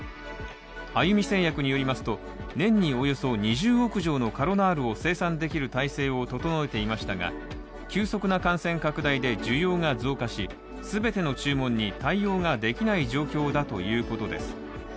あゆみ製薬によりますと年に２０億錠のカロナールを生産できる体制を整えていましたが急速な感染拡大で需要が増加し、すべての注文に対応できない状況だということです。